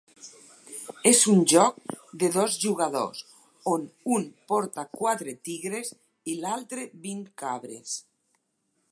És un joc de dos jugadors, on un porta quatre tigres i l'altre vint cabres.